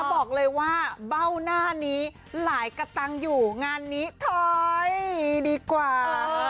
บอกเลยว่าเบ้าหน้านี้หลายกระตังอยู่งานนี้ถอยดีกว่า